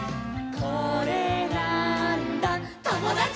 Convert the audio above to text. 「これなーんだ『ともだち！』」